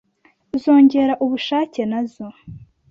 zongera ubushake na zo